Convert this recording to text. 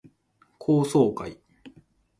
高層階